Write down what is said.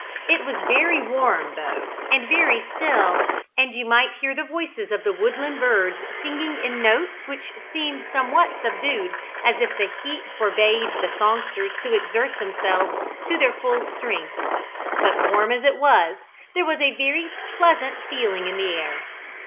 It was very warm, though, and very still; and you might hear the voices of the woodland birds, singing in notes which seemed somewhat subdued, as if the heat forbade the songsters to exert themselves to their full strength. But, warm as it was, there was a very pleasant feeling in the air.